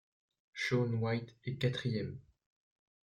Shaun White est quatrième.